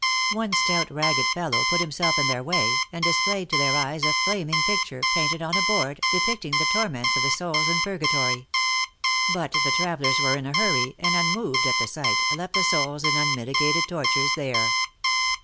One stout ragged fellow put himself in their way, and displayed to their eyes a flaming picture, painted on a board, depicting the torments of the souls in purgatory. But the travelers were in a hurry, and unmoved at the sight, left the souls in un mitigated tortures there.